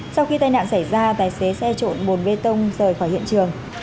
sau khi tai nạn xảy ra tài xế xe trộn bồn bê tông rời khỏi hiện trường